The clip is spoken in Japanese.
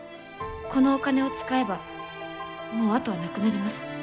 このお金を使えばもう後はなくなります。